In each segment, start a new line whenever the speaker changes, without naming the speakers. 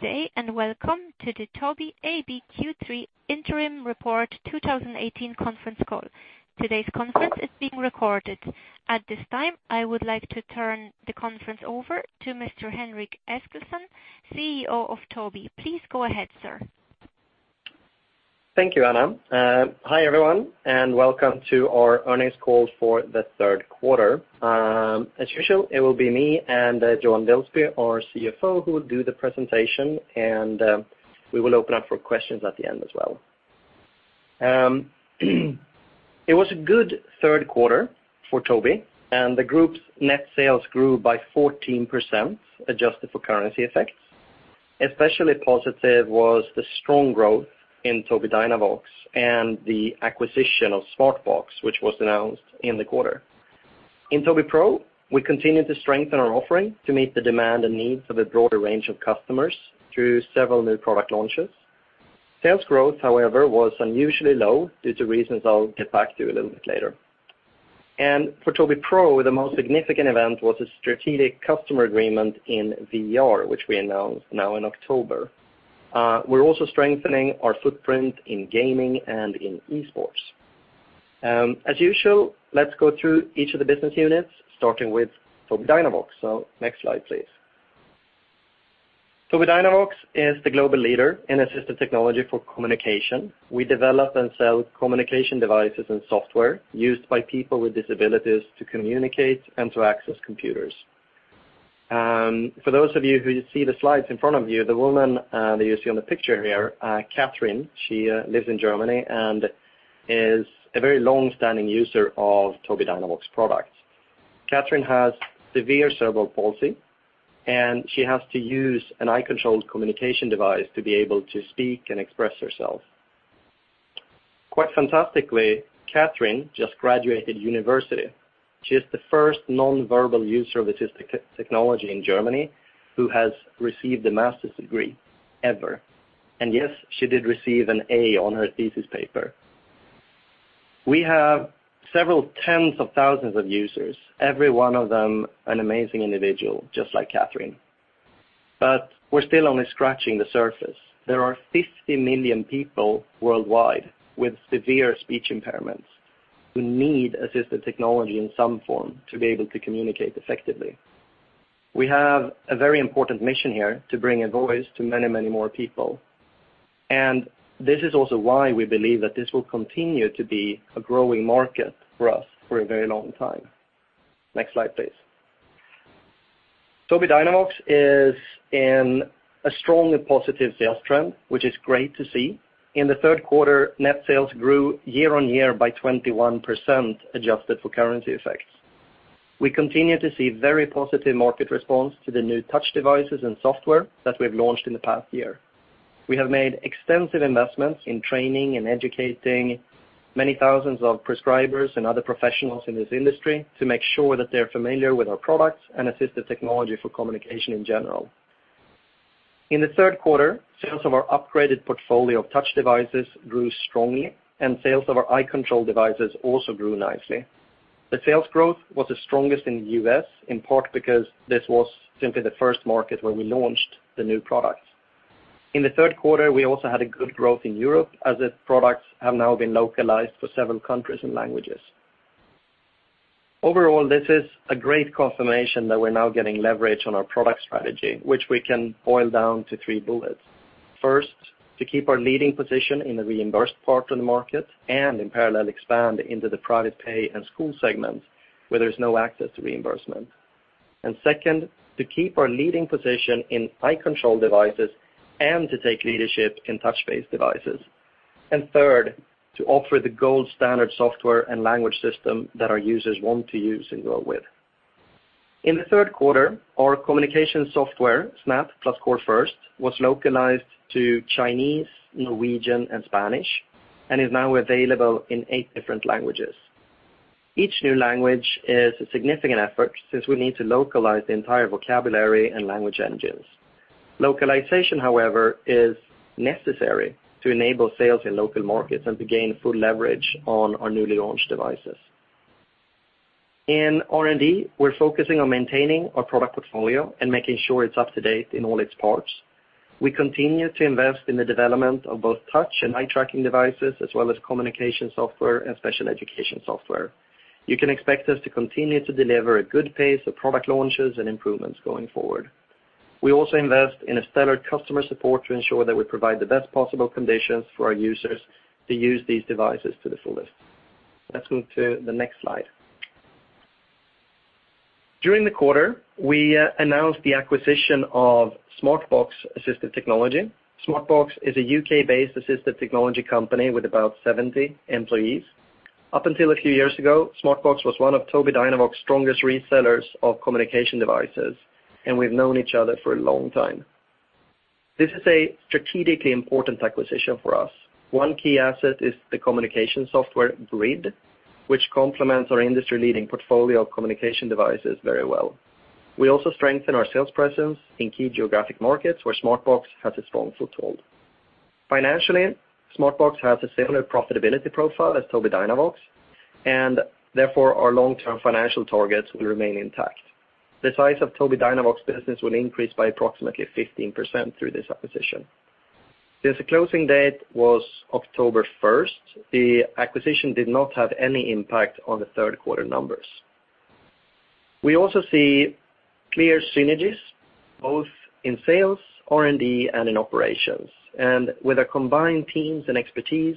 Good day, and welcome to the Tobii AB Q3 Interim Report 2018 conference call. Today's conference is being recorded. At this time, I would like to turn the conference over to Mr. Henrik Eskilsson, CEO of Tobii. Please go ahead, sir.
Thank you, Anna. Hi, everyone, and welcome to our earnings call for the third quarter. As usual, it will be me and Johan Wilsby, our CFO, who will do the presentation. We will open up for questions at the end as well. It was a good third quarter for Tobii, and the group's net sales grew by 14%, adjusted for currency effects. Especially positive was the strong growth in Tobii Dynavox and the acquisition of Smartbox, which was announced in the quarter. In Tobii Pro, we continued to strengthen our offering to meet the demand and needs of a broader range of customers through several new product launches. Sales growth, however, was unusually low due to reasons I'll get back to a little bit later. For Tobii Pro, the most significant event was a strategic customer agreement in VR, which we announced now in October. We're also strengthening our footprint in gaming and in esports. As usual, let's go through each of the business units, starting with Tobii Dynavox. Next slide, please. Tobii Dynavox is the global leader in assistive technology for communication. We develop and sell communication devices and software used by people with disabilities to communicate and to access computers. For those of you who see the slides in front of you, the woman that you see on the picture here, Catherine, she lives in Germany and is a very long-standing user of Tobii Dynavox products. Catherine has severe cerebral palsy, and she has to use an eye-controlled communication device to be able to speak and express herself. Quite fantastically, Catherine just graduated university. She is the first non-verbal user of assistive technology in Germany who has received a master's degree ever, and yes, she did receive an A on her thesis paper. We have several tens of thousands of users, every one of them an amazing individual, just like Catherine. We're still only scratching the surface. There are 50 million people worldwide with severe speech impairments who need assistive technology in some form to be able to communicate effectively. We have a very important mission here to bring a voice to many, many more people. This is also why we believe that this will continue to be a growing market for us for a very long time. Next slide, please. Tobii Dynavox is in a strongly positive sales trend, which is great to see. In the third quarter, net sales grew year-over-year by 21%, adjusted for currency effects. We continue to see very positive market response to the new touch devices and software that we've launched in the past year. We have made extensive investments in training and educating many thousands of prescribers and other professionals in this industry to make sure that they're familiar with our products and assistive technology for communication in general. In the third quarter, sales of our upgraded portfolio of touch devices grew strongly, and sales of our eye control devices also grew nicely. The sales growth was the strongest in the U.S., in part because this was simply the first market where we launched the new products. In the third quarter, we also had a good growth in Europe as the products have now been localized for several countries and languages. Overall, this is a great confirmation that we're now getting leverage on our product strategy, which we can boil down to three bullets. First, to keep our leading position in the reimbursed part of the market and in parallel expand into the private pay and school segments where there's no access to reimbursement. Second, to keep our leading position in eye control devices and to take leadership in touch-based devices. Third, to offer the gold standard software and language system that our users want to use and grow with. In the third quarter, our communication software, Snap Core First, was localized to Chinese, Norwegian, and Spanish and is now available in eight different languages. Each new language is a significant effort since we need to localize the entire vocabulary and language engines. Localization, however, is necessary to enable sales in local markets and to gain full leverage on our newly launched devices. In R&D, we're focusing on maintaining our product portfolio and making sure it's up to date in all its parts. We continue to invest in the development of both touch and eye tracking devices, as well as communication software and special education software. You can expect us to continue to deliver a good pace of product launches and improvements going forward. We also invest in stellar customer support to ensure that we provide the best possible conditions for our users to use these devices to the fullest. Let's move to the next slide. During the quarter, we announced the acquisition of Smartbox Assistive Technology. Smartbox is a U.K.-based assistive technology company with about 70 employees. Up until a few years ago, Smartbox was one of Tobii Dynavox's strongest resellers of communication devices. We've known each other for a long time. This is a strategically important acquisition for us. One key asset is the communication software Grid, which complements our industry-leading portfolio of communication devices very well. We also strengthen our sales presence in key geographic markets where Smartbox has a strong foothold. Financially, Smartbox has a similar profitability profile as Tobii Dynavox, and therefore our long-term financial targets will remain intact. The size of Tobii Dynavox business will increase by approximately 15% through this acquisition. Since the closing date was October 1st, the acquisition did not have any impact on the third quarter numbers. We also see clear synergies both in sales, R&D, and in operations. With our combined teams and expertise,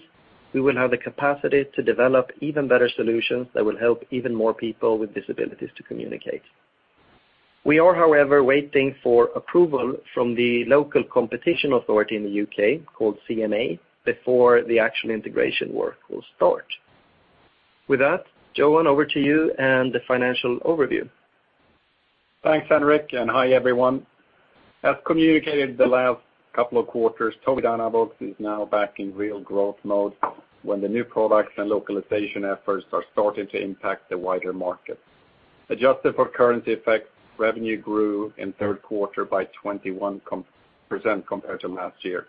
we will have the capacity to develop even better solutions that will help even more people with disabilities to communicate. We are, however, waiting for approval from the local competition authority in the U.K., called CMA, before the actual integration work will start. With that, Johan, over to you and the financial overview.
Thanks, Henrik, and hi, everyone. As communicated the last couple of quarters, Tobii Dynavox is now back in real growth mode, when the new products and localization efforts are starting to impact the wider market. Adjusted for currency effects, revenue grew in the third quarter by 21% compared to last year.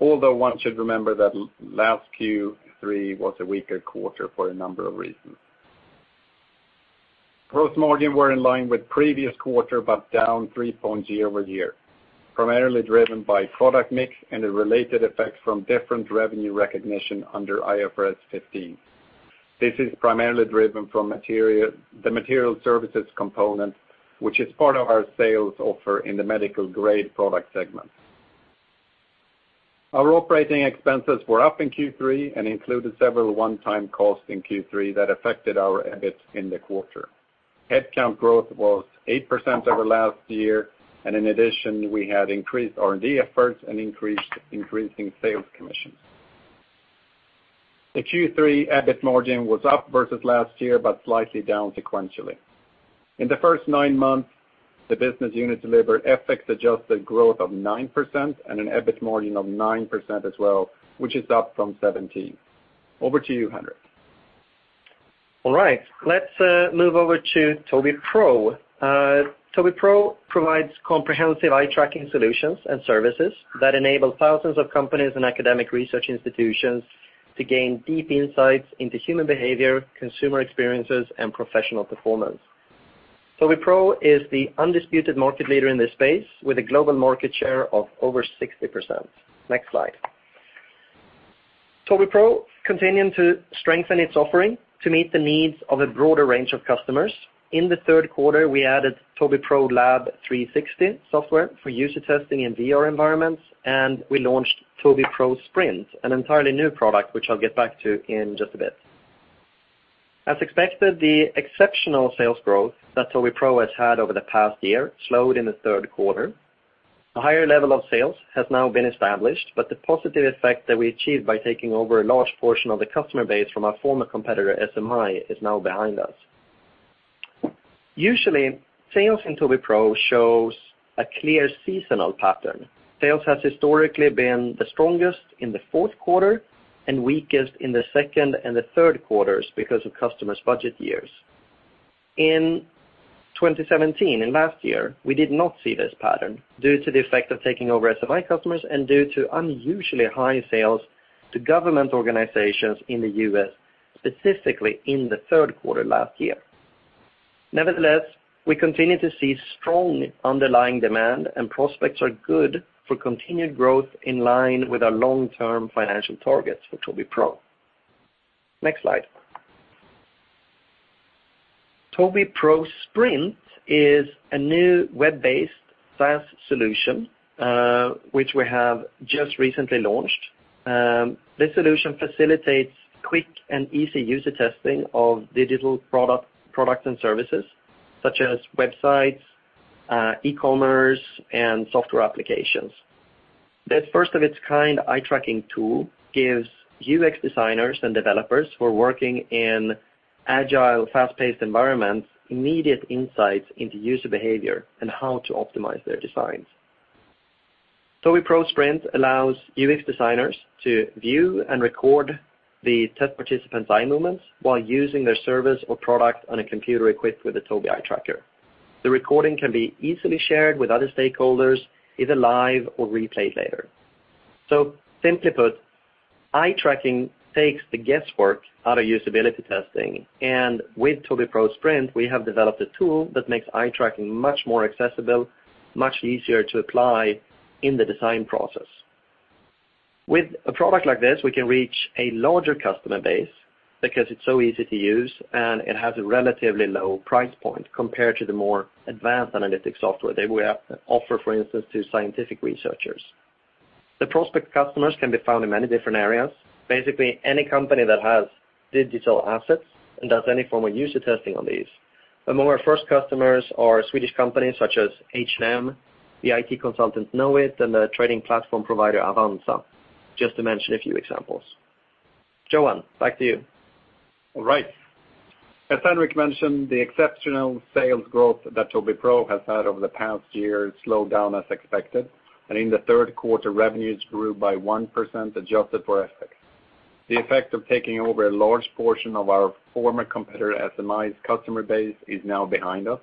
Although one should remember that last Q3 was a weaker quarter for a number of reasons. Gross margin were in line with the previous quarter but down 3 points year-over-year, primarily driven by product mix and the related effects from different revenue recognition under IFRS 15. This is primarily driven from the material services component, which is part of our sales offer in the medical-grade product segment. Our operating expenses were up in Q3 and included several one-time costs in Q3 that affected our EBIT in the quarter. Headcount growth was 8% over last year, and in addition, we had increased R&D efforts and increasing sales commissions. The Q3 EBIT margin was up versus last year but slightly down sequentially. In the first nine months, the business unit delivered FX-adjusted growth of 9% and an EBIT margin of 9% as well, which is up from 7%. Over to you, Henrik.
All right. Let's move over to Tobii Pro. Tobii Pro provides comprehensive eye-tracking solutions and services that enable thousands of companies and academic research institutions to gain deep insights into human behavior, consumer experiences, and professional performance. Tobii Pro is the undisputed market leader in this space, with a global market share of over 60%. Next slide. Tobii Pro is continuing to strengthen its offering to meet the needs of a broader range of customers. In the third quarter, we added Tobii Pro Lab 360 software for user testing in VR environments, and we launched Tobii Pro Sprint, an entirely new product, which I'll get back to in just a bit. As expected, the exceptional sales growth that Tobii Pro has had over the past year slowed in the third quarter. A higher level of sales has now been established, but the positive effect that we achieved by taking over a large portion of the customer base from our former competitor, SMI, is now behind us. Usually, sales in Tobii Pro shows a clear seasonal pattern. Sales has historically been the strongest in the fourth quarter and weakest in the second and the third quarters because of customers' budget years. In 2017, in last year, we did not see this pattern due to the effect of taking over SMI customers and due to unusually high sales to government organizations in the U.S., specifically in the third quarter last year. Nevertheless, we continue to see strong underlying demand and prospects are good for continued growth in line with our long-term financial targets for Tobii Pro. Next slide. Tobii Pro Sprint is a new web-based SaaS solution, which we have just recently launched. This solution facilitates quick and easy user testing of digital products and services, such as websites, e-commerce, and software applications. This first-of-its-kind eye-tracking tool gives UX designers and developers who are working in agile, fast-paced environments immediate insights into user behavior and how to optimize their designs. Tobii Pro Sprint allows UX designers to view and record the test participants' eye movements while using their service or product on a computer equipped with a Tobii eye tracker. The recording can be easily shared with other stakeholders, either live or replayed later. Simply put, eye tracking takes the guesswork out of usability testing. With Tobii Pro Sprint, we have developed a tool that makes eye tracking much more accessible, much easier to apply in the design process. With a product like this, we can reach a larger customer base because it's so easy to use, and it has a relatively low price point compared to the more advanced analytic software that we offer, for instance, to scientific researchers. The prospect customers can be found in many different areas. Basically, any company that has digital assets and does any form of user testing on these. Among our first customers are Swedish companies such as H&M, the IT consultant Knowit, and the trading platform provider Avanza, just to mention a few examples. Johan, back to you.
All right. As Henrik mentioned, the exceptional sales growth that Tobii Pro has had over the past year slowed down as expected, and in the third quarter, revenues grew by 1%, adjusted for FX. The effect of taking over a large portion of our former competitor, SMI's customer base is now behind us.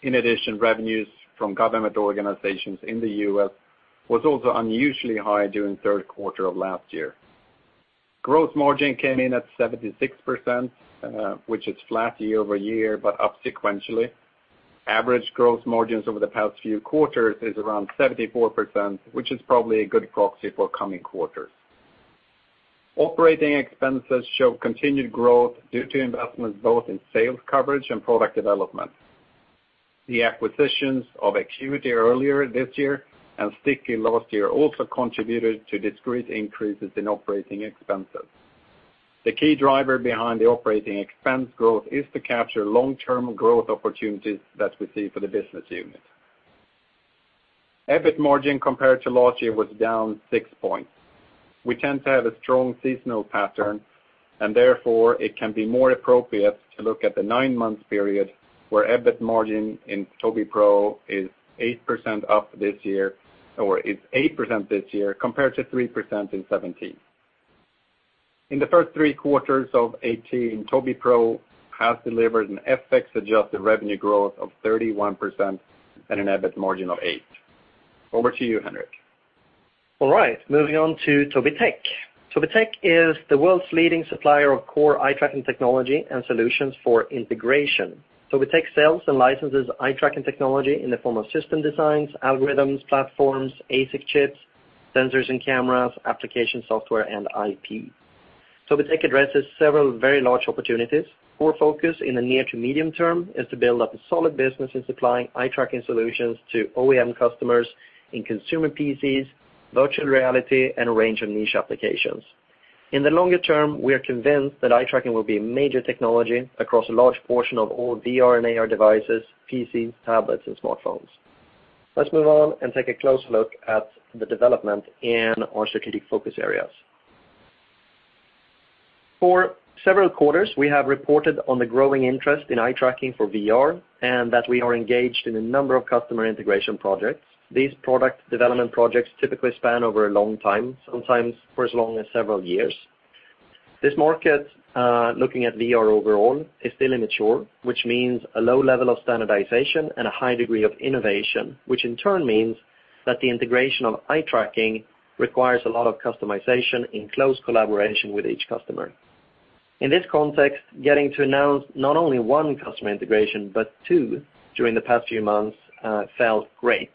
In addition, revenues from government organizations in the U.S. was also unusually high during third quarter of last year. Growth margin came in at 76%, which is flat year-over-year, but up sequentially. Average growth margins over the past few quarters is around 74%, which is probably a good proxy for coming quarters. Operating expenses show continued growth due to investments both in sales coverage and product development. The acquisitions of Acuity earlier this year and Sticky last year also contributed to discrete increases in operating expenses. The key driver behind the operating expense growth is to capture long-term growth opportunities that we see for the business unit. EBIT margin compared to last year was down six points. We tend to have a strong seasonal pattern. Therefore, it can be more appropriate to look at the nine-month period where EBIT margin in Tobii Pro is 8% this year compared to 3% in 2017. In the first three quarters of 2018, Tobii Pro has delivered an FX-adjusted revenue growth of 31% and an EBIT margin of 8%. Over to you, Henrik.
All right, moving on to Tobii Tech. Tobii Tech is the world's leading supplier of core eye-tracking technology and solutions for integration. Tobii Tech sells and licenses eye-tracking technology in the form of system designs, algorithms, platforms, ASIC chips, sensors and cameras, application software, and IP. Tobii Tech addresses several very large opportunities. Core focus in the near to medium term is to build up a solid business in supplying eye-tracking solutions to OEM customers in consumer PCs, virtual reality, and a range of niche applications. In the longer term, we are convinced that eye-tracking will be a major technology across a large portion of all VR and AR devices, PCs, tablets, and smartphones. Let's move on and take a close look at the development in our strategic focus areas. For several quarters, we have reported on the growing interest in eye-tracking for VR and that we are engaged in a number of customer integration projects. These product development projects typically span over a long time, sometimes for as long as several years. This market, looking at VR overall, is still immature, which means a low level of standardization and a high degree of innovation, which in turn means that the integration of eye-tracking requires a lot of customization in close collaboration with each customer. In this context, getting to announce not only one customer integration, but two during the past few months, felt great.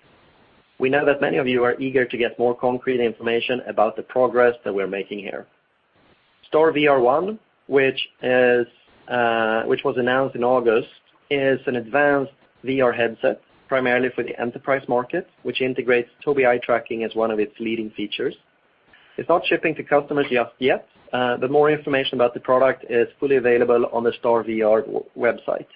We know that many of you are eager to get more concrete information about the progress that we're making here. StarVR One, which was announced in August, is an advanced VR headset primarily for the enterprise market, which integrates Tobii eye-tracking as one of its leading features. It's not shipping to customers just yet. The more information about the product is fully available on the StarVR website.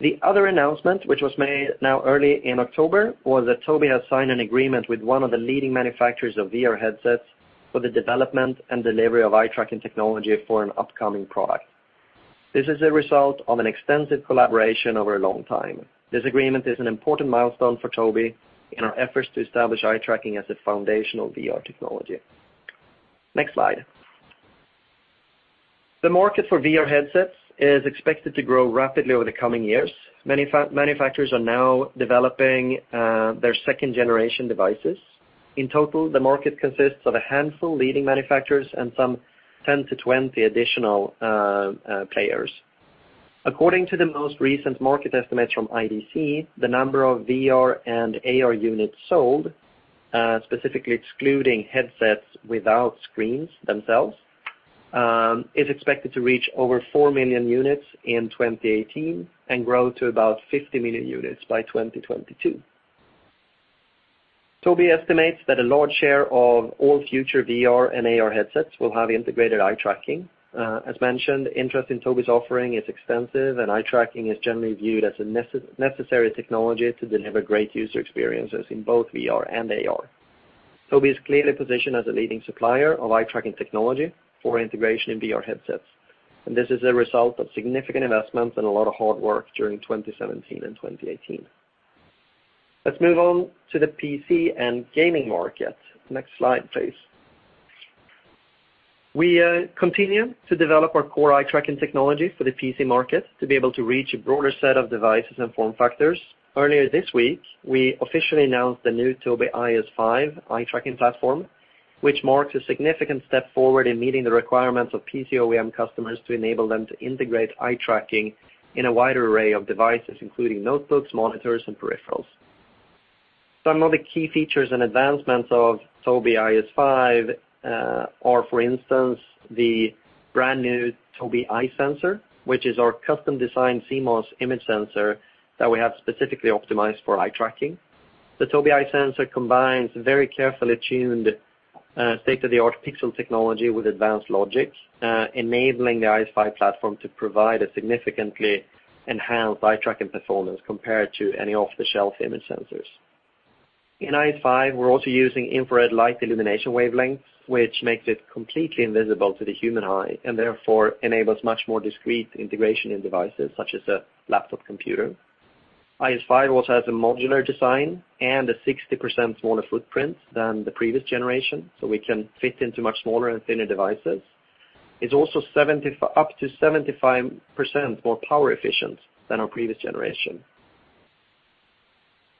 The other announcement, which was made now early in October, was that Tobii has signed an agreement with one of the leading manufacturers of VR headsets for the development and delivery of eye-tracking technology for an upcoming product. This is a result of an extensive collaboration over a long time. This agreement is an important milestone for Tobii in our efforts to establish eye-tracking as a foundational VR technology. Next slide. The market for VR headsets is expected to grow rapidly over the coming years. Manufacturers are now developing their second-generation devices. In total, the market consists of a handful leading manufacturers and some 10-20 additional players. According to the most recent market estimates from IDC, the number of VR and AR units sold, specifically excluding headsets without screens themselves, is expected to reach over 4 million units in 2018 and grow to about 50 million units by 2022. Tobii estimates that a large share of all future VR and AR headsets will have integrated eye-tracking. As mentioned, interest in Tobii's offering is expansive, and eye-tracking is generally viewed as a necessary technology to deliver great user experiences in both VR and AR. Tobii is clearly positioned as a leading supplier of eye-tracking technology for integration in VR headsets. This is a result of significant investments and a lot of hard work during 2017 and 2018. Let's move on to the PC and gaming market. Next slide, please. We continue to develop our core eye-tracking technology for the PC market to be able to reach a broader set of devices and form factors. Earlier this week, we officially announced the new Tobii IS5 eye-tracking platform, which marks a significant step forward in meeting the requirements of PC OEM customers to enable them to integrate eye-tracking in a wider array of devices, including notebooks, monitors, and peripherals. Some of the key features and advancements of Tobii IS5 are, for instance, the brand-new Tobii EyeSensor, which is our custom-designed CMOS image sensor that we have specifically optimized for eye-tracking. The Tobii EyeSensor combines very carefully tuned state-of-the-art pixel technology with advanced logic, enabling the IS5 platform to provide a significantly enhanced eye-tracking performance compared to any off-the-shelf image sensors. In IS5, we're also using infrared light illumination wavelengths, which makes it completely invisible to the human eye and therefore enables much more discreet integration in devices such as a laptop computer. IS5 also has a modular design and a 60% smaller footprint than the previous generation, so we can fit into much smaller and thinner devices. It is also up to 75% more power efficient than our previous generation.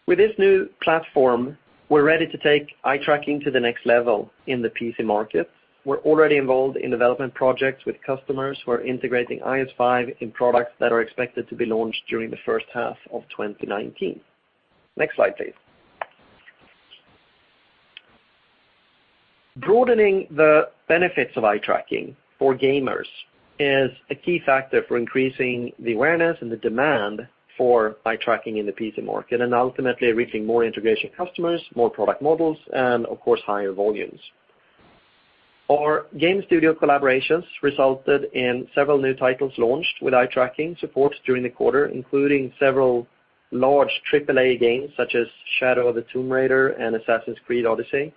With this new platform, we're ready to take eye tracking to the next level in the PC market. We're already involved in development projects with customers who are integrating IS5 in products that are expected to be launched during the first half of 2019. Next slide, please. Broadening the benefits of eye tracking for gamers is a key factor for increasing the awareness and the demand for eye tracking in the PC market, ultimately reaching more integration customers, more product models, and, of course, higher volumes. Our game studio collaborations resulted in several new titles launched with eye tracking support during the quarter, including several large AAA games such as "Shadow of the Tomb Raider" and "Assassin's Creed Odyssey."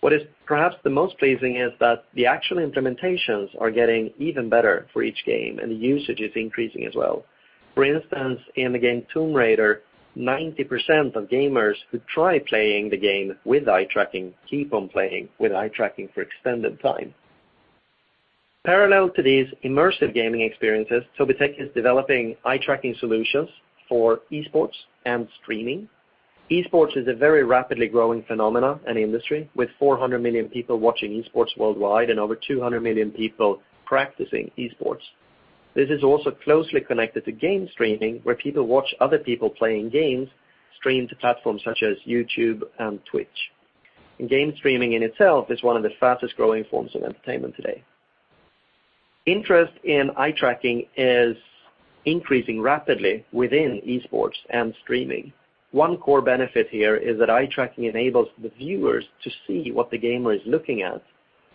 What is perhaps the most pleasing is that the actual implementations are getting even better for each game, the usage is increasing as well. For instance, in the game "Tomb Raider", 90% of gamers who try playing the game with eye tracking keep on playing with eye tracking for extended time. Parallel to these immersive gaming experiences, Tobii Tech is developing eye tracking solutions for e-sports and streaming. Esports is a very rapidly growing phenomenon and industry with 400 million people watching esports worldwide and over 200 million people practicing esports. This is also closely connected to game streaming, where people watch other people playing games streamed to platforms such as YouTube and Twitch. Game streaming in itself is one of the fastest-growing forms of entertainment today. Interest in eye tracking is increasing rapidly within esports and streaming. One core benefit here is that eye tracking enables the viewers to see what the gamer is looking at,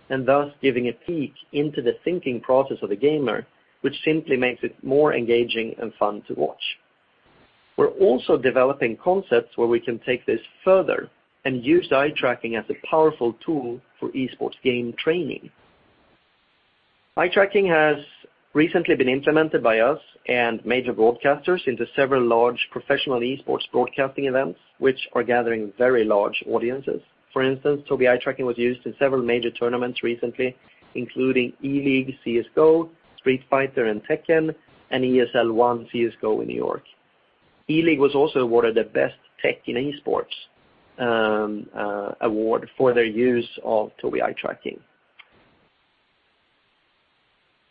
and thus giving a peek into the thinking process of the gamer, which simply makes it more engaging and fun to watch. We are also developing concepts where we can take this further and use eye tracking as a powerful tool for esports game training. Eye tracking has recently been implemented by us and major broadcasters into several large professional esports broadcasting events, which are gathering very large audiences. For instance, Tobii eye tracking was used in several major tournaments recently, including ELEAGUE, CS:GO, Street Fighter and Tekken, and ESL One CS:GO in New York. ELEAGUE was also awarded the Best Tech in E-sports Award for their use of Tobii eye tracking.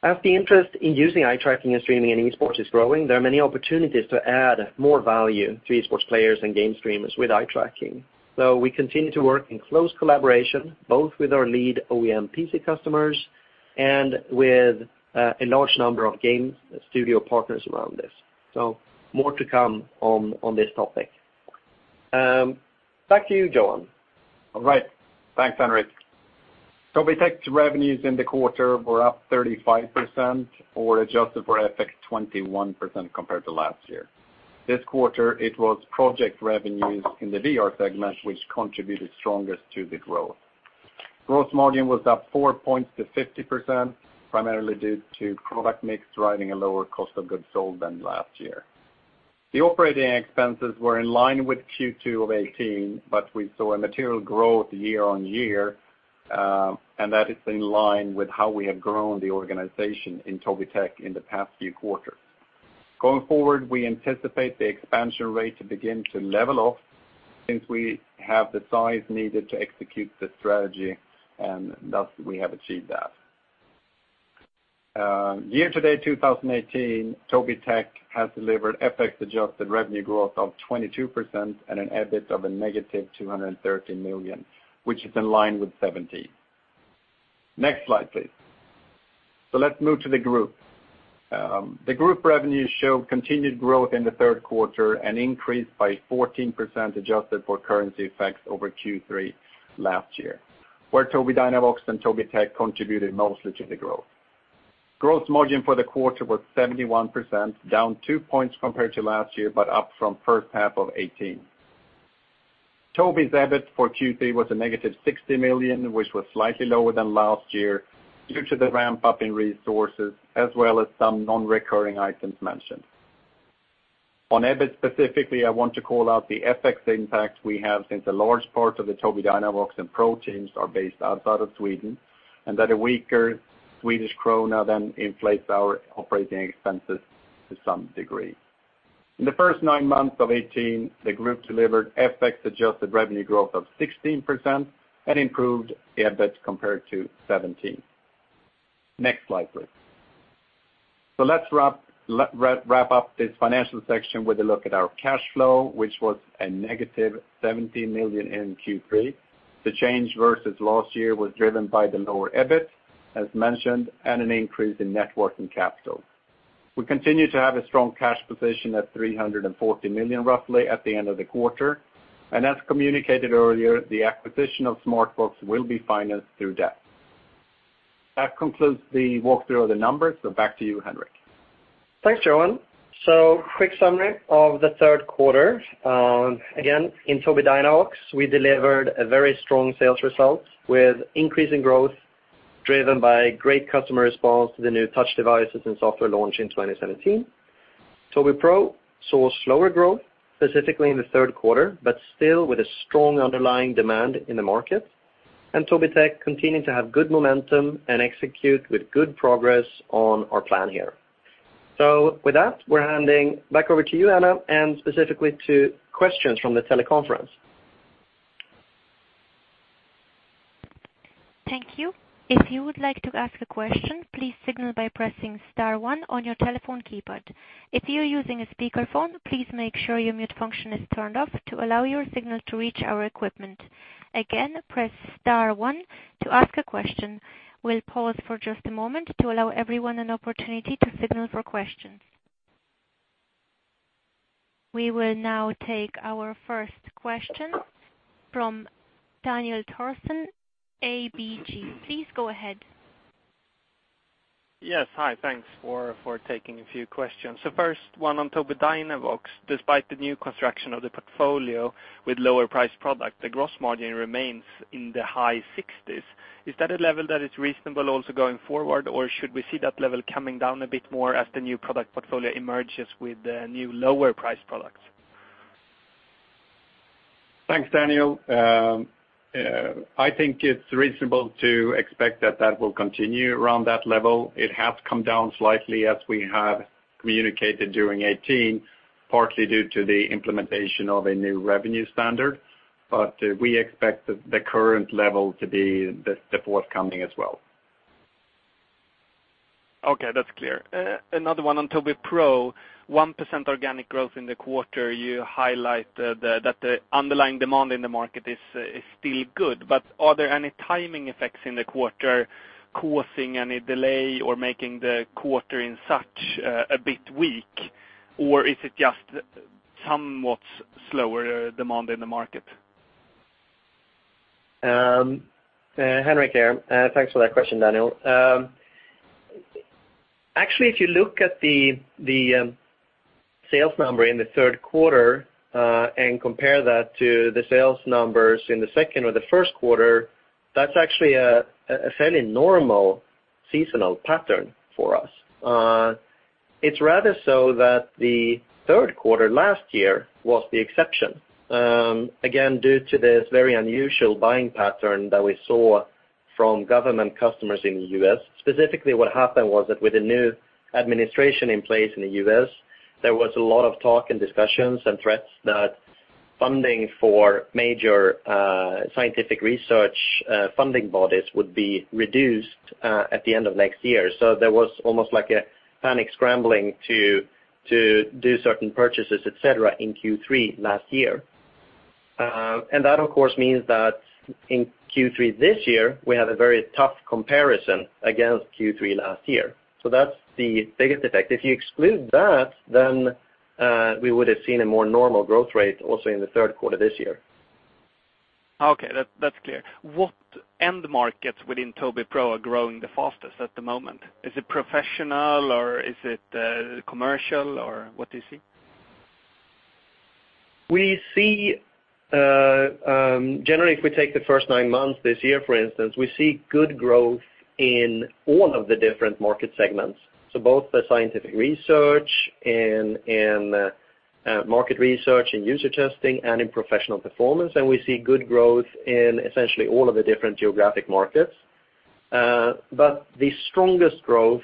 As the interest in using eye tracking and streaming in esports is growing, there are many opportunities to add more value to esports players and game streamers with eye tracking. We continue to work in close collaboration, both with our lead OEM PC customers and with a large number of game studio partners around this. More to come on this topic. Back to you, Johan.
All right. Thanks, Henrik. Tobii Tech's revenues in the quarter were up 35% or adjusted for FX, 21% compared to last year. This quarter, it was project revenues in the VR segment which contributed strongest to the growth. Gross margin was up four points to 50%, primarily due to product mix driving a lower cost of goods sold than last year. The operating expenses were in line with Q2 of 2018, but we saw a material growth year-on-year, and that is in line with how we have grown the organization in Tobii Tech in the past few quarters. Going forward, we anticipate the expansion rate to begin to level off since we have the size needed to execute the strategy, and thus we have achieved that. Year to date 2018, Tobii Tech has delivered FX adjusted revenue growth of 22% and an EBIT of a negative 230 million, which is in line with 2017. Next slide, please. Let's move to the group. The group revenues show continued growth in the third quarter and increased by 14% adjusted for currency effects over Q3 last year, where Tobii Dynavox and Tobii Tech contributed mostly to the growth. Gross margin for the quarter was 71%, down two points compared to last year, but up from first half of 2018. Tobii's EBIT for Q3 was a negative 60 million, which was slightly lower than last year due to the ramp-up in resources as well as some non-recurring items mentioned. On EBIT specifically, I want to call out the FX impact we have since the large part of the Tobii Dynavox and Tobii Pro teams are based outside of Sweden, and that a weaker Swedish krona then inflates our operating expenses to some degree. In the first nine months of 2018, the group delivered FX-adjusted revenue growth of 16% and improved EBIT compared to 2017. Next slide, please. Let's wrap up this financial section with a look at our cash flow, which was a negative 17 million in Q3. The change versus last year was driven by the lower EBIT, as mentioned, and an increase in net working capital. We continue to have a strong cash position at 340 million, roughly, at the end of the quarter. As communicated earlier, the acquisition of Smartbox will be financed through debt. That concludes the walkthrough of the numbers, so back to you, Henrik.
Thanks, Johan. Quick summary of the third quarter. Again, in Tobii Dynavox, we delivered a very strong sales result with increasing growth driven by great customer response to the new touch devices and software launch in 2017. Tobii Pro saw slower growth, specifically in the third quarter, but still with a strong underlying demand in the market, and Tobii Tech continued to have good momentum and execute with good progress on our plan here. With that, we're handing back over to you, Anna, and specifically to questions from the teleconference.
Thank you. If you would like to ask a question, please signal by pressing star one on your telephone keypad. If you are using a speakerphone, please make sure your mute function is turned off to allow your signal to reach our equipment. Again, press star one to ask a question. We will pause for just a moment to allow everyone an opportunity to signal for questions. We will now take our first question from Daniel Thorsson, ABG. Please go ahead.
Yes. Hi, thanks for taking a few questions. First one on Tobii Dynavox. Despite the new construction of the portfolio with lower-priced product, the gross margin remains in the high 60s. Is that a level that is reasonable also going forward, or should we see that level coming down a bit more as the new product portfolio emerges with the new lower-priced products?
Thanks, Daniel. I think it's reasonable to expect that that will continue around that level. It has come down slightly as we have communicated during 2018, partly due to the implementation of a new revenue standard. We expect the current level to be the forthcoming as well.
Okay, that's clear. Another one on Tobii Pro, 1% organic growth in the quarter. You highlight that the underlying demand in the market is still good, are there any timing effects in the quarter causing any delay or making the quarter in such a bit weak, or is it just somewhat slower demand in the market?
Henrik here. Thanks for that question, Daniel. Actually, if you look at the sales number in the third quarter, and compare that to the sales numbers in the second or the first quarter, that's actually a fairly normal seasonal pattern for us. It's rather so that the third quarter last year was the exception. Again, due to this very unusual buying pattern that we saw from government customers in the U.S. Specifically what happened was that with the new administration in place in the U.S., there was a lot of talk and discussions and threats that funding for major scientific research funding bodies would be reduced at the end of next year. There was almost like a panic scrambling to do certain purchases, et cetera, in Q3 last year. That of course, means that in Q3 this year, we have a very tough comparison against Q3 last year. That's the biggest effect. If you exclude that, we would've seen a more normal growth rate also in the third quarter this year.
Okay. That's clear. What end markets within Tobii Pro are growing the fastest at the moment? Is it professional or is it commercial, or what do you see?
Generally, if we take the first nine months this year, for instance, we see good growth in all of the different market segments. Both the scientific research and market research and user testing and in professional performance, and we see good growth in essentially all of the different geographic markets. The strongest growth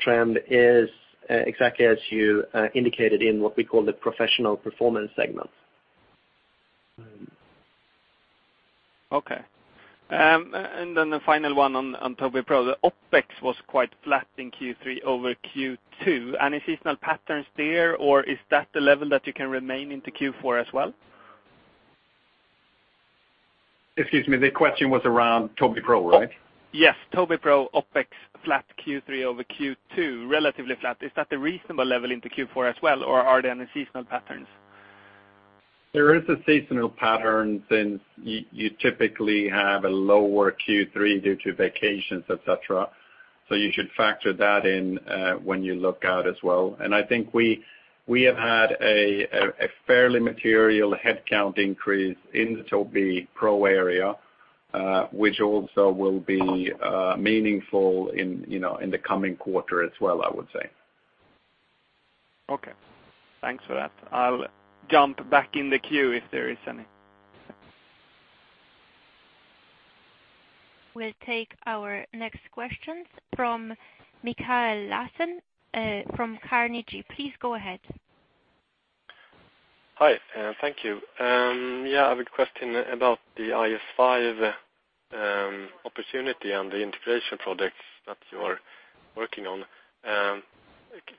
trend is exactly as you indicated in what we call the professional performance segment.
Okay. Then the final one on Tobii Pro. The OPEX was quite flat in Q3 over Q2. Any seasonal patterns there, or is that the level that you can remain into Q4 as well?
Excuse me, the question was around Tobii Pro, right?
Yes. Tobii Pro OPEX flat Q3 over Q2, relatively flat. Is that the reasonable level into Q4 as well, or are there any seasonal patterns?
There is a seasonal pattern since you typically have a lower Q3 due to vacations, et cetera. You should factor that in when you look out as well. I think we have had a fairly material headcount increase in the Tobii Pro area, which also will be meaningful in the coming quarter as well, I would say.
Okay. Thanks for that. I'll jump back in the queue if there is any.
We'll take our next questions from Mikael Laséen, from Carnegie. Please go ahead.
Hi, and thank you. I have a question about the IS5 opportunity and the integration projects that you are working on.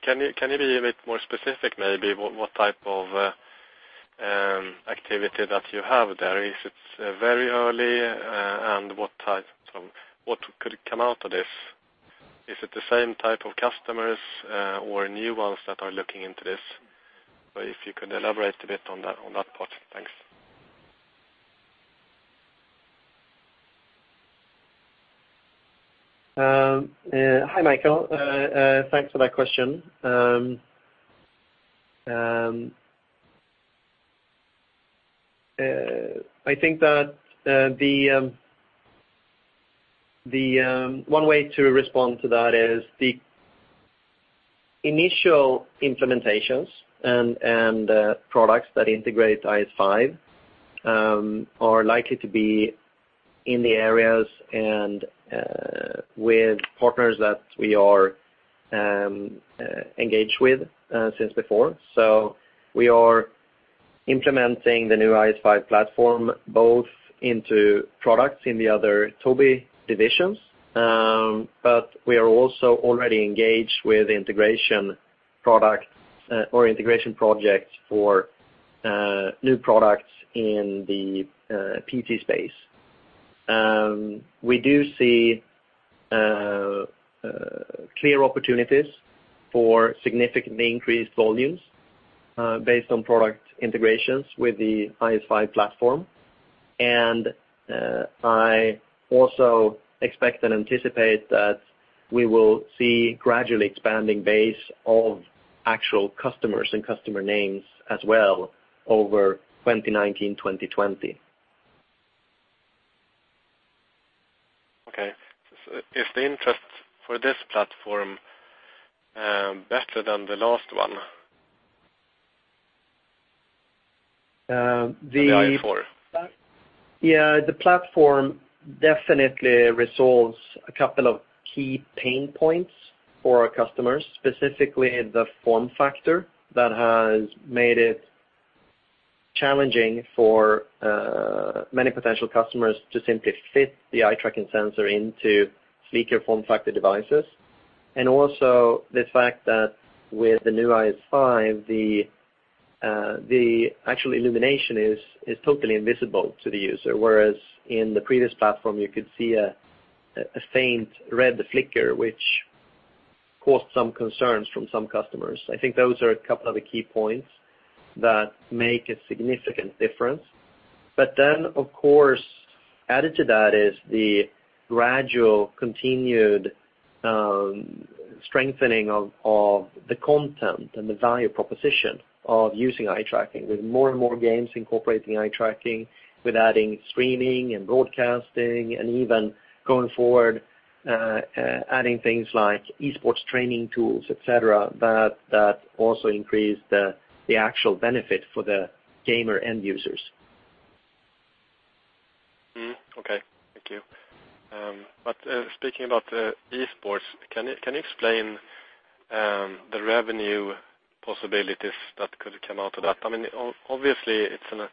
Can you be a bit more specific maybe, what type of activity that you have there? Is it very early, and what could come out of this? Is it the same type of customers, or new ones that are looking into this? If you could elaborate a bit on that part. Thanks.
Hi, Mikael. Thanks for that question. I think that one way to respond to that is the initial implementations and products that integrate IS5 are likely to be in the areas and with partners that we are engaged with since before. We are implementing the new IS5 platform both into products in the other Tobii divisions, but we are also already engaged with integration products or integration projects for new products in the PC space. We do see clear opportunities for significantly increased volumes based on product integrations with the IS5 platform. I also expect and anticipate that we will see gradually expanding base of actual customers and customer names as well over 2019, 2020.
Okay. Is the interest for this platform better than the last one?
The-
The IS4.
Yeah, the platform definitely resolves a couple of key pain points for our customers, specifically the form factor that has made it challenging for many potential customers to simply fit the eye-tracking sensor into sleeker form factor devices. Also the fact that with the new IS5, the actual illumination is totally invisible to the user, whereas in the previous platform, you could see a faint red flicker, which caused some concerns from some customers. I think those are a couple of the key points that make a significant difference. Of course, added to that is the gradual continued strengthening of the content and the value proposition of using eye-tracking with more and more games incorporating eye-tracking, with adding streaming and broadcasting, and even going forward adding things like e-sports training tools, et cetera, that also increase the actual benefit for the gamer end users.
Okay. Thank you. Speaking about e-sports, can you explain the revenue possibilities that could come out of that? Obviously, it's a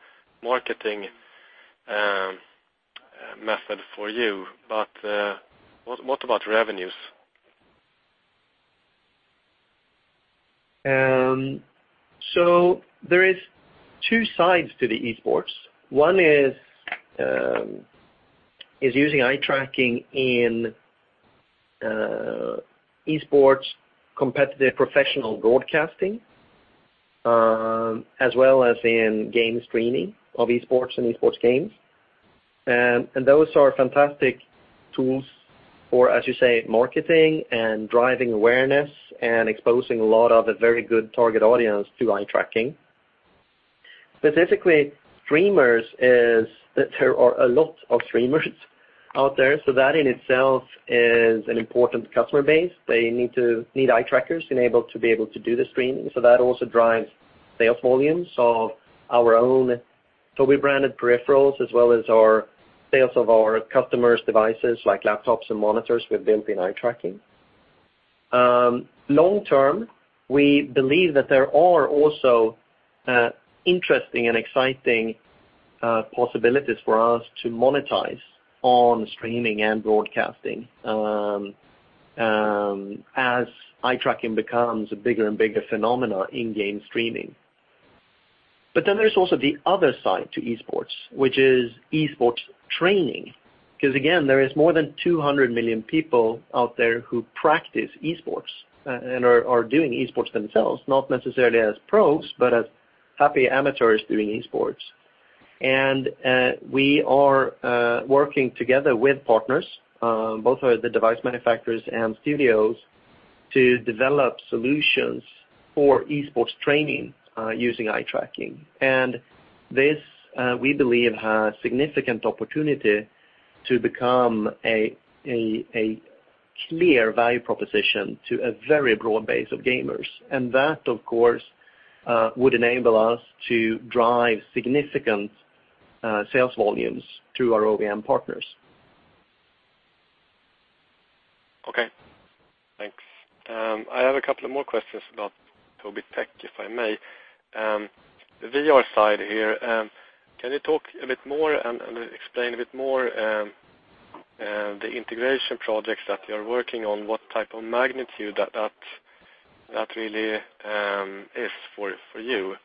marketing method for you, but what about revenues?
There is two sides to the esports. One is using eye tracking in esports competitive professional broadcasting, as well as in game streaming of esports and esports games. Those are fantastic tools for, as you say, marketing and driving awareness and exposing a lot of a very good target audience to eye tracking. Specifically, streamers, there are a lot of streamers out there, so that in itself is an important customer base. They need eye trackers to be able to do the streaming. That also drives sales volumes of our own Tobii-branded peripherals, as well as our sales of our customers' devices, like laptops and monitors with built-in eye tracking. Long term, we believe that there are also interesting and exciting possibilities for us to monetize on streaming and broadcasting as eye tracking becomes a bigger and bigger phenomena in game streaming. There's also the other side to esports, which is esports training. Again, there is more than 200 million people out there who practice esports and are doing esports themselves, not necessarily as pros, but as happy amateurs doing esports. We are working together with partners, both the device manufacturers and studios, to develop solutions for esports training using eye tracking. This, we believe, has significant opportunity to become a clear value proposition to a very broad base of gamers. That, of course, would enable us to drive significant sales volumes through our OEM partners.
Okay, thanks. I have a couple of more questions about Tobii Tech, if I may. The VR side here, can you talk a bit more and explain a bit more the integration projects that you're working on, what type of magnitude that really is for you?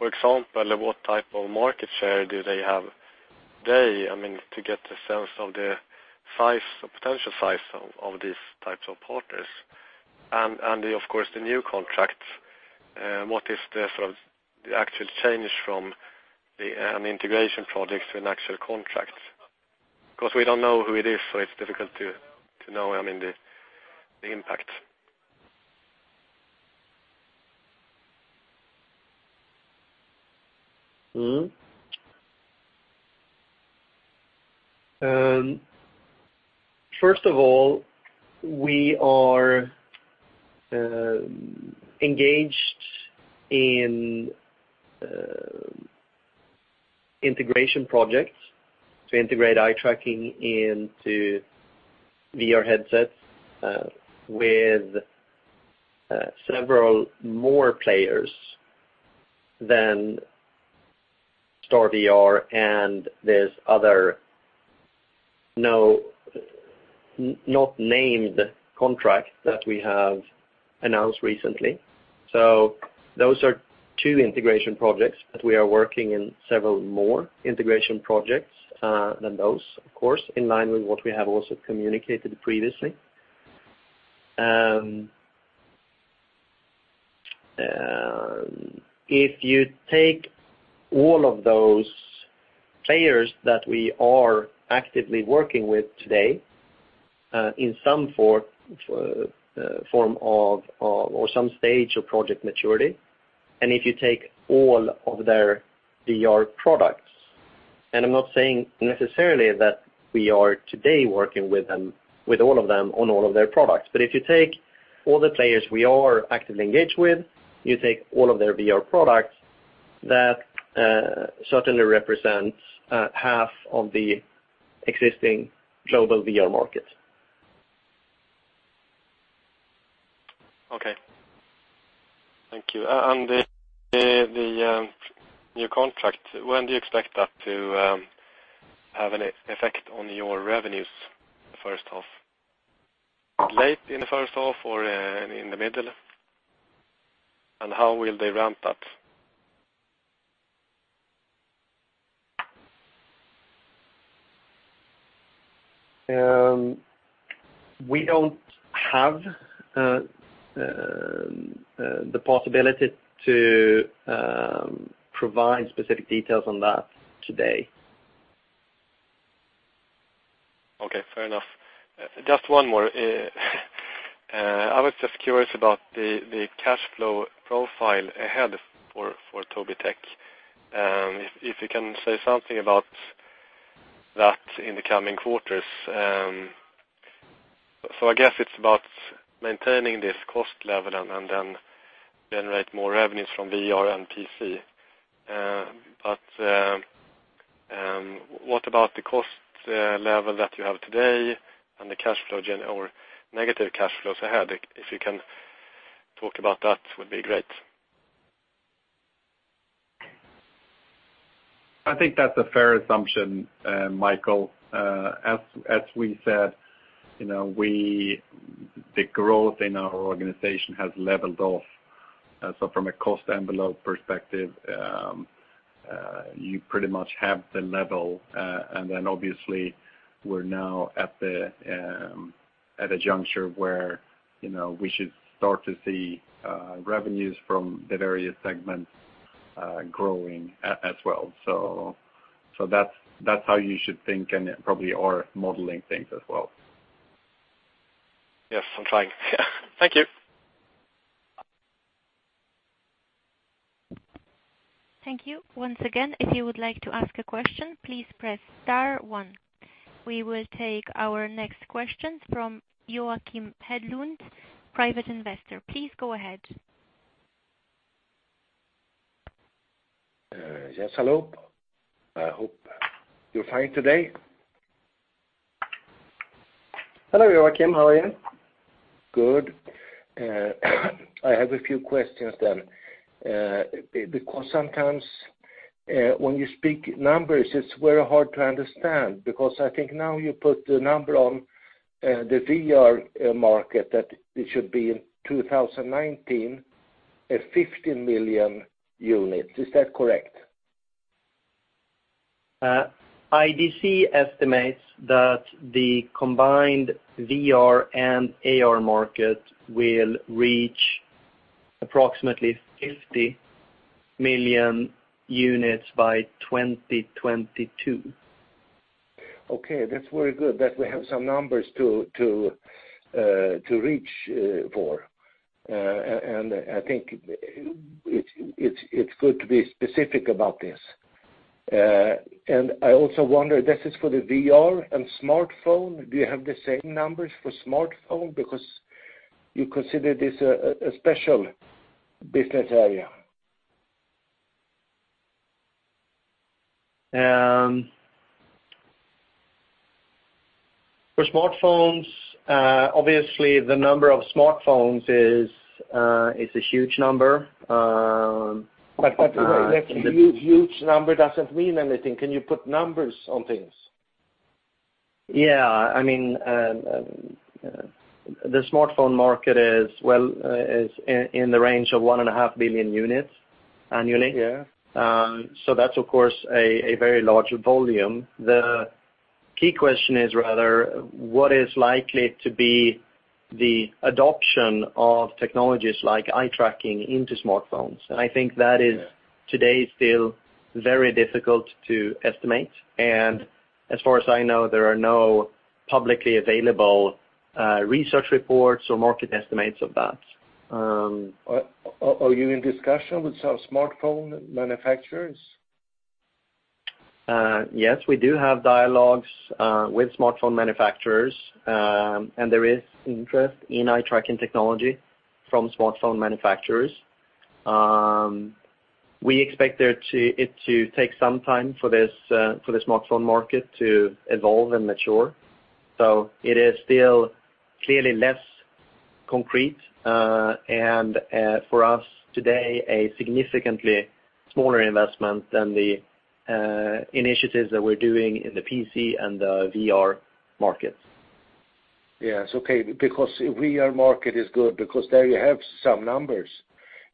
For example, what type of market share do they have? To get the sense of the potential size of these types of partners. Of course, the new contracts, what is the actual change from the integration projects to an actual contract? Because we don't know who it is, so it's difficult to know the impact.
First of all, we are engaged in integration projects to integrate eye tracking into VR headsets with several more players than StarVR and this other not named contract that we have announced recently. Those are two integration projects, but we are working in several more integration projects than those, of course, in line with what we have also communicated previously. If you take all of those players that we are actively working with today, in some form or some stage of project maturity, and if you take all of their VR products, and I'm not saying necessarily that we are today working with all of them on all of their products, but if you take all the players we are actively engaged with, you take all of their VR products, that certainly represents half of the existing global VR market.
Okay. Thank you. The new contract, when do you expect that to have an effect on your revenues, first half? Late in the first half or in the middle? How will they ramp up?
We don't have the possibility to provide specific details on that today.
Okay, fair enough. Just one more. I was just curious about the cash flow profile ahead for Tobii Tech, if you can say something about that in the coming quarters. I guess it's about maintaining this cost level and then generate more revenues from VR and PC. What about the cost level that you have today and the negative cash flows ahead? If you can talk about that, would be great.
I think that's a fair assumption, Mikael. As we said, the growth in our organization has leveled off. From a cost envelope perspective, you pretty much have the level. Obviously, we're now at a juncture where we should start to see revenues from the various segments growing as well. That's how you should think and probably are modeling things as well.
Yes, I'm trying. Thank you.
Thank you. Once again, if you would like to ask a question, please press star one. We will take our next questions from Joakim Hedlund, private investor. Please go ahead.
Yes, hello. I hope you're fine today.
Hello, Joakim. How are you?
Good. I have a few questions then. Sometimes, when you speak numbers, it is very hard to understand, I think now you put the number on the VR market that it should be in 2019, at 50 million units. Is that correct?
IDC estimates that the combined VR and AR market will reach approximately 50 million units by 2022.
Okay, that is very good that we have some numbers to reach for. I think it is good to be specific about this. I also wonder, this is for the VR and smartphone? Do you have the same numbers for smartphone? You consider this a special business area.
For smartphones, obviously the number of smartphones is a huge number.
A huge number does not mean anything. Can you put numbers on things?
Yeah. The smartphone market is in the range of 1.5 billion units annually.
Yeah.
That's, of course, a very large volume. The key question is rather, what is likely to be the adoption of technologies like eye tracking into smartphones? I think that is today still very difficult to estimate. As far as I know, there are no publicly available research reports or market estimates of that.
Are you in discussion with some smartphone manufacturers?
Yes, we do have dialogues with smartphone manufacturers. There is interest in eye-tracking technology from smartphone manufacturers. We expect it to take some time for the smartphone market to evolve and mature. It is still clearly less concrete, and for us today, a significantly smaller investment than the initiatives that we're doing in the PC and the VR markets.
Yes, okay. VR market is good because there you have some numbers.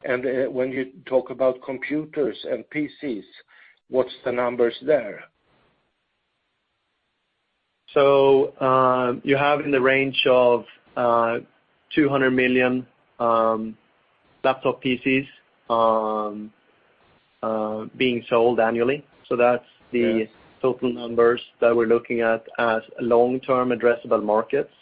When you talk about computers and PCs, what's the numbers there?
You have in the range of 200 million laptop PCs being sold annually. That's the
Yes
total numbers that we're looking at as long-term addressable markets.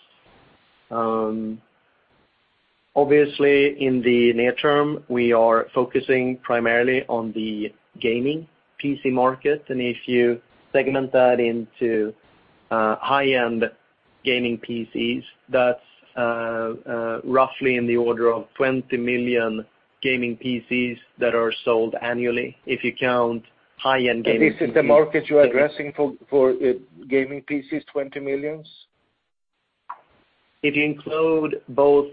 Obviously, in the near term, we are focusing primarily on the gaming PC market. If you segment that into high-end gaming PCs, that's roughly in the order of 20 million gaming PCs that are sold annually, if you count high-end gaming PCs.
This is the market you are addressing for gaming PCs, 20 million?
If you include both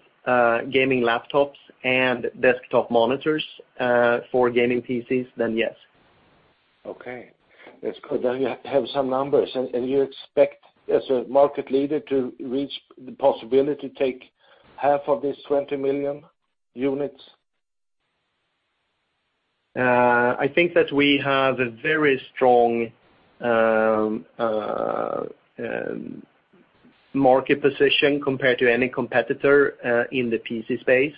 gaming laptops and desktop monitors for gaming PCs, yes.
Okay. That's good. You have some numbers. You expect, as a market leader, to reach the possibility to take half of this 20 million units?
I think that we have a very strong market position compared to any competitor in the PC space.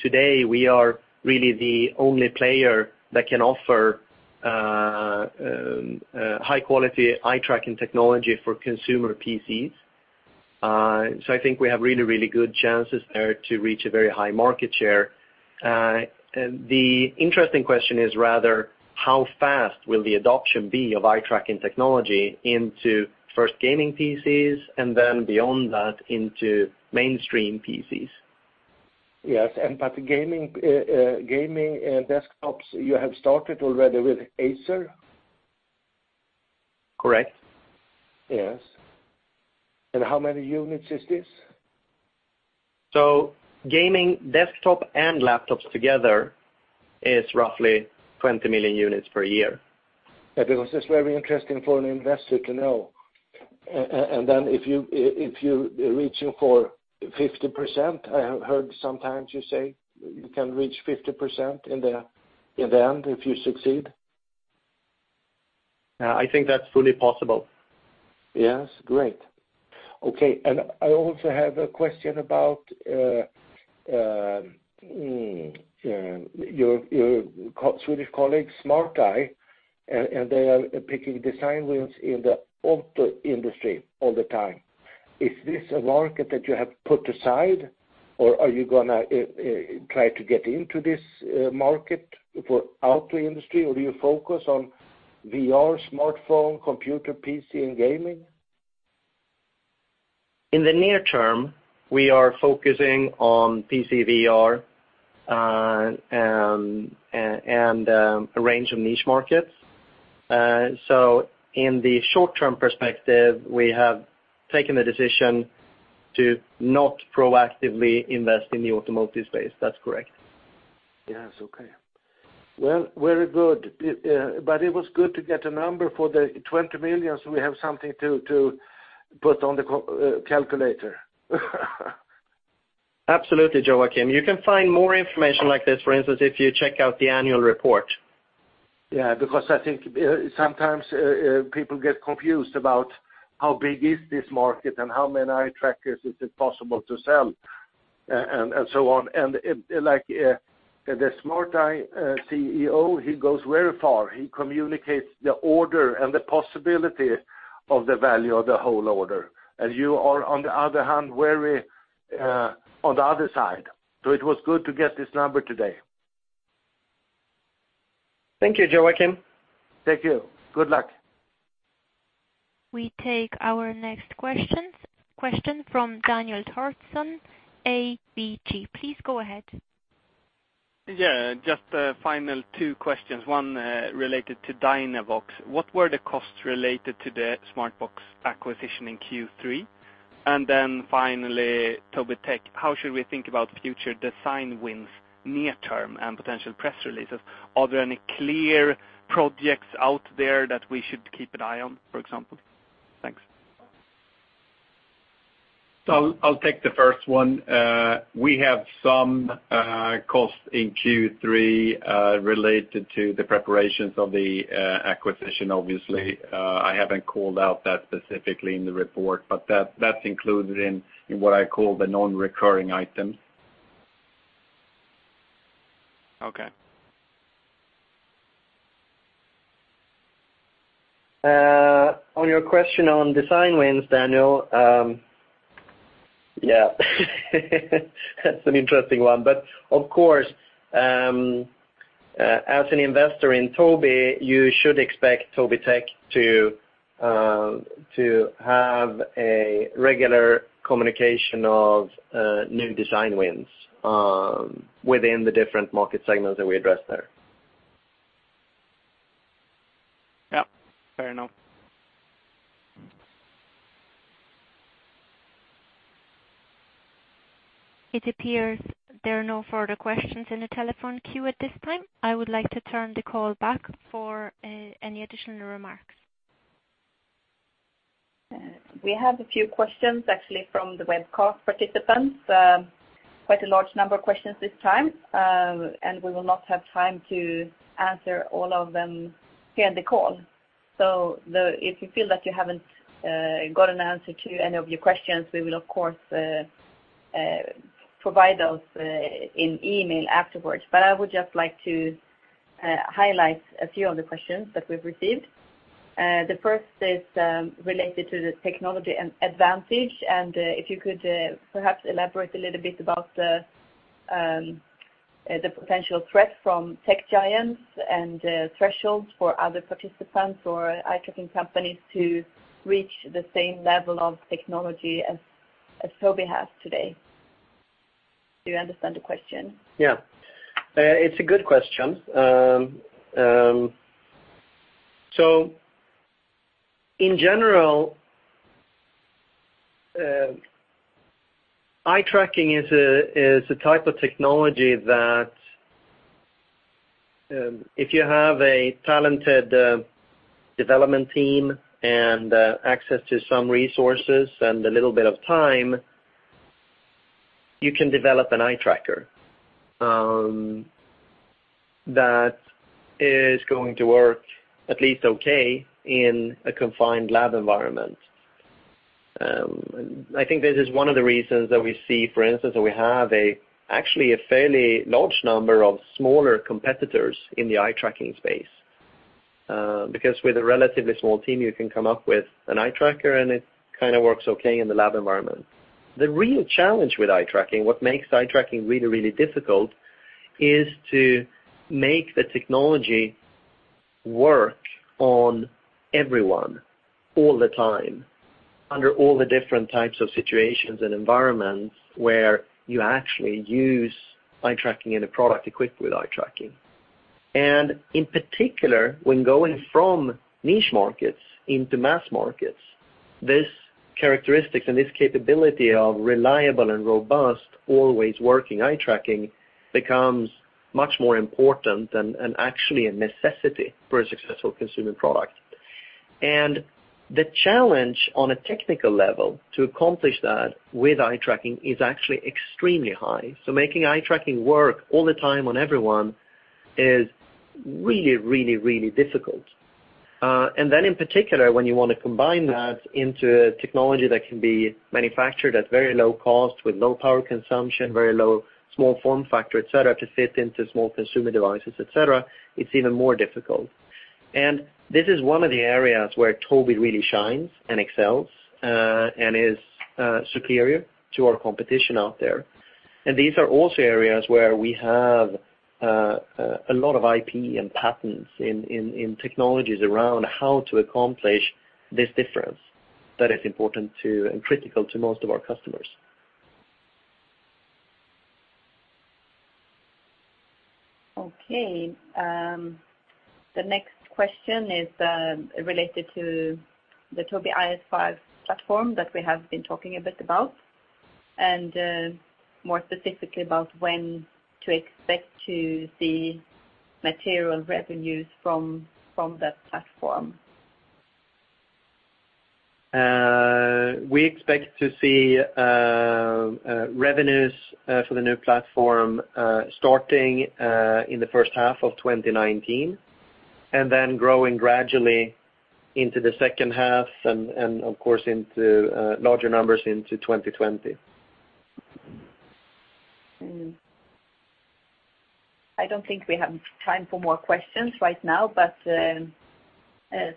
Today, we are really the only player that can offer high-quality eye-tracking technology for consumer PCs. I think we have really good chances there to reach a very high market share. The interesting question is rather, how fast will the adoption be of eye-tracking technology into first gaming PCs, and then beyond that into mainstream PCs?
Yes. Gaming desktops, you have started already with Acer?
Correct.
Yes. How many units is this?
Gaming desktop and laptops together is roughly 20 million units per year.
It's very interesting for an investor to know. If you're reaching for 50%, I have heard sometimes you say you can reach 50% in the end, if you succeed?
I think that's fully possible.
Yes. Great. Okay. I also have a question about your Swedish colleague, Smart Eye, and they are picking design wins in the auto industry all the time. Is this a market that you have put aside, or are you going to try to get into this market for auto industry, or do you focus on VR, smartphone, computer, PC, and gaming?
In the near term, we are focusing on PC VR and a range of niche markets. In the short-term perspective, we have taken the decision to not proactively invest in the automotive space. That's correct.
Yes, okay. Well, very good. It was good to get a number for the 20 million, we have something to put on the calculator.
Absolutely, Joakim. You can find more information like this, for instance, if you check out the annual report.
Yeah, because I think sometimes people get confused about how big is this market and how many eye trackers is it possible to sell, and so on. The Smart Eye CEO, he goes very far. He communicates the order and the possibility of the value of the whole order. You are, on the other hand, very on the other side. It was good to get this number today.
Thank you, Joakim.
Thank you. Good luck.
We take our next question from Daniel Thorsson, ABG. Please go ahead.
Yeah, just a final two questions, one related to Dynavox. What were the costs related to the Smartbox acquisition in Q3? Finally, Tobii Tech, how should we think about future design wins near term and potential press releases? Are there any clear projects out there that we should keep an eye on, for example? Thanks.
I'll take the first one. We have some cost in Q3 related to the preparations of the acquisition, obviously. I haven't called out that specifically in the report, but that's included in what I call the non-recurring items.
Okay.
On your question on design wins, Daniel, yeah. That's an interesting one. Of course, as an investor in Tobii, you should expect Tobii Tech to have a regular communication of new design wins within the different market segments that we address there.
Yeah, fair enough.
It appears there are no further questions in the telephone queue at this time. I would like to turn the call back for any additional remarks.
We have a few questions actually from the webcast participants. Quite a large number of questions this time. We will not have time to answer all of them here on the call. If you feel that you haven't got an answer to any of your questions, we will, of course, provide those in email afterwards. I would just like to highlight a few of the questions that we've received. The first is related to the technology advantage, and if you could perhaps elaborate a little bit about the potential threat from tech giants and thresholds for other participants or eye tracking companies to reach the same level of technology as Tobii has today. Do you understand the question?
Yeah. It's a good question. In general, eye tracking is a type of technology that if you have a talented development team and access to some resources and a little bit of time, you can develop an eye tracker, that is going to work at least okay in a confined lab environment. I think this is one of the reasons that we see, for instance, that we have actually a fairly large number of smaller competitors in the eye tracking space. With a relatively small team, you can come up with an eye tracker, and it kind of works okay in the lab environment. The real challenge with eye tracking, what makes eye tracking really difficult, is to make the technology work on everyone all the time under all the different types of situations and environments where you actually use eye tracking in a product equipped with eye tracking. In particular, when going from niche markets into mass markets, this characteristic and this capability of reliable and robust, always working eye tracking becomes much more important and actually a necessity for a successful consumer product. The challenge on a technical level to accomplish that with eye tracking is actually extremely high. Making eye tracking work all the time on everyone is really difficult. In particular, when you want to combine that into technology that can be manufactured at very low cost with low power consumption, very low small form factor, et cetera, to fit into small consumer devices, et cetera, it's even more difficult. This is one of the areas where Tobii really shines and excels and is superior to our competition out there. These are also areas where we have a lot of IP and patents in technologies around how to accomplish this difference that is important to and critical to most of our customers.
Okay. The next question is related to the Tobii IS5 platform that we have been talking a bit about, and more specifically about when to expect to see material revenues from that platform.
We expect to see revenues for the new platform starting in the first half of 2019 and then growing gradually into the second half and of course into larger numbers into 2020.
I don't think we have time for more questions right now.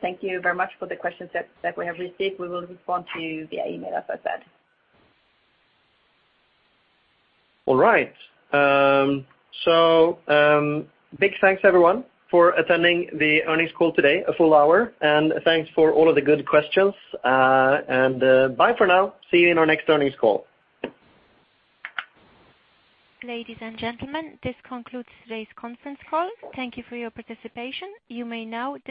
Thank you very much for the questions that we have received. We will respond to you via email, as I said.
All right. Big thanks everyone for attending the earnings call today, a full hour. Thanks for all of the good questions. Bye for now. See you in our next earnings call.
Ladies and gentlemen, this concludes today's conference call. Thank you for your participation. You may now disconnect.